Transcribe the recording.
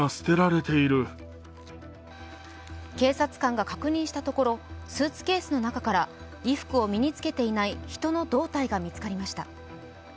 警察官が確認したところスーツケースの中から衣服を身につけていない人の胴体が見つかりました。